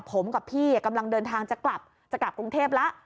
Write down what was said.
ผมกับพี่กำลังเดินทางจะกลับกรุงเทพฯละ